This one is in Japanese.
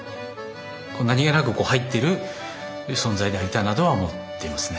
何気なく入ってる存在でありたいなとは思ってますね。